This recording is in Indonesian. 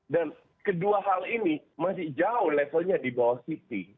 dan kedua hal ini masih jauh levelnya di bawah city